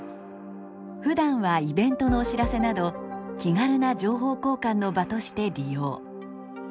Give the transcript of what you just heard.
ふだんはイベントのお知らせなど気軽な情報交換の場として利用。